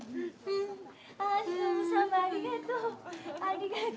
ありがとう。